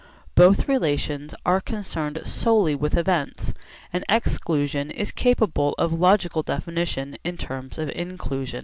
Both relations are concerned solely with events, and exclusion is capable of logical definition in terms of inclusion.